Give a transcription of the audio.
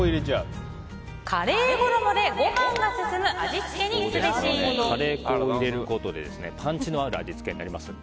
カレー衣でご飯がすすむカレー粉を入れることでパンチのある味付けになります。